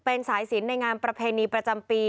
เป็นสายสินในงานประเพณีประจำปี